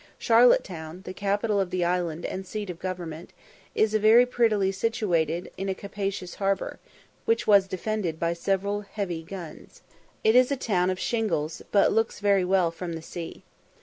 Charlotte Town, the capital of the island and the seat of government, is very prettily situated on a capacious harbour, which was defended by several heavy guns. It is a town of shingles, but looks very well from the sea.